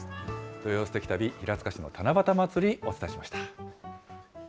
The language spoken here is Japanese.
土曜すてき旅、平塚市の七夕まつり、お伝えしました。